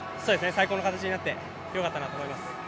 最高の形になってよかったなと思います。